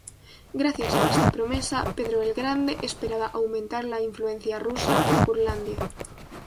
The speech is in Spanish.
Gracias a esta promesa, Pedro el Grande esperaba aumentar la influencia rusa en Curlandia.